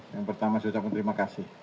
yang pertama saya ucapkan terima kasih